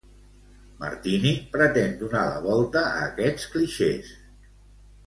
Martini pretén donar la volta a aquests clixés.